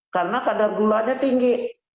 karena kadar gulanya tinggi